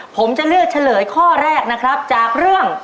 ผมจะเลือกเฉลยข้อแรกนะครับจากเรื่อง